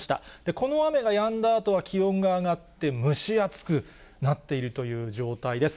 この雨がやんだあとは、気温が上がって蒸し暑くなっているという状態です。